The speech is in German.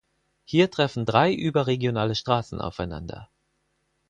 Hier treffen drei überregionale Straßen aufeinander.